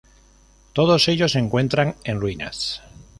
Todos ellos se encuentran en ruinas.